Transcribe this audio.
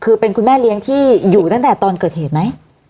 คือเป็นคุณแม่เลี้ยงที่อยู่ตั้งแต่ตอนเกิดเหตุไหม